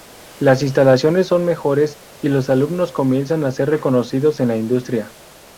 Las instalaciones son mejores y los alumnos comienzan a ser reconocidos en la industria.